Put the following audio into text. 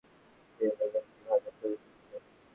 কাছে গিয়ে দেখা গেল তিনি গরম তেলে বেগুনি ভাজার ছবি তুলছেন।